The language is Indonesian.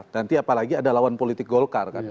nanti apalagi ada lawan politik golkar kan